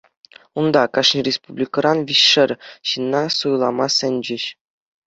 Унта кашни республикӑран виҫшер ҫынна суйлама сӗнчӗҫ.